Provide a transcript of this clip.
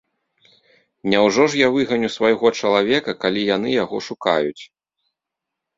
Няўжо ж я выганю свайго чалавека, калі яны яго шукаюць?